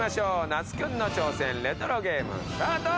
那須君の挑戦レトロゲームスタート！